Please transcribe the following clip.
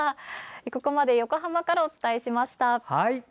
ここまで横浜からお伝えしました。